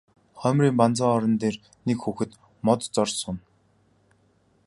Хоймрын банзан орон дээр нэг хүүхэд мод зорьж сууна.